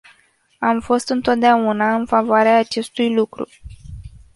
Am fost întotdeauna în favoarea acestui lucru.